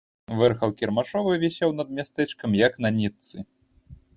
Вэрхал кірмашовы вісеў над мястэчкам, як на нітцы.